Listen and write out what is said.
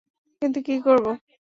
কিন্তু কী করবো?